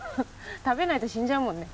食べないと死んじゃうもんね。